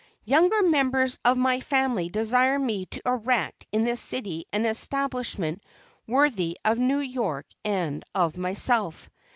Younger members of my family desire me to erect in this city an establishment worthy of New York and of myself.